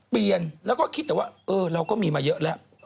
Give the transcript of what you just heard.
เปลี่ยนแล้วก็คิดแต่ว่าเออเราก็มีมาเยอะแล้ว